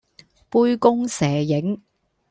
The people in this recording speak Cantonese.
杯弓蛇影